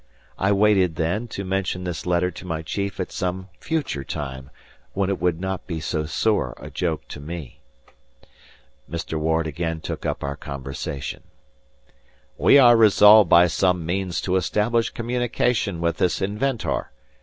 I waited, then, to mention this letter to my chief at some future time, when it would be not so sore a joke to me. Mr. Ward again took up our conversation. "We are resolved by some means to establish communication with this inventor.